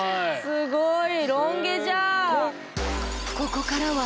すっごい！